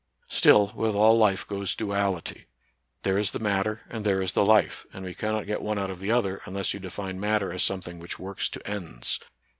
Still, with all life goes duality. There is the matter, and there is the life, and we cannot get one out of the other, unless you define matter as something which works to ends.